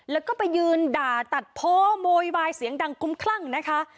แล้วก็ไปยืนด่าตัดโพโวยวายเสียงดังคุ้มคลั่งนะคะ